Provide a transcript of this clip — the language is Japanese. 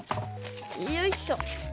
よいしょ。